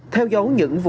theo dấu những vụ